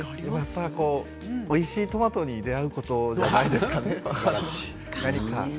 おいしいトマトに出会うことじゃないでしょうかね。